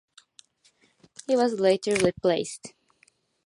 He was later replaced.